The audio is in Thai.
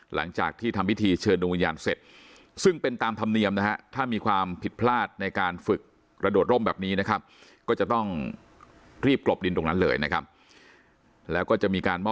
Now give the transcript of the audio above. หลังจากที่ทำพิธีเชิญดวงวิญญาณเสร็จซึ่งเป็นตามธรรมเนียมนะฮะ